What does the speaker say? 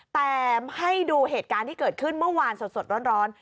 แต่ให้ดูเหตุการณ์ที่เกิดขึ้นเมื่อวานสดร้อน